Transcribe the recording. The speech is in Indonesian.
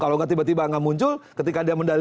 kalau tiba tiba nggak muncul